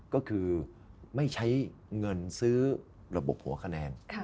ก็คือไม่ใช้เงินซื้อระบบหัวคะแนน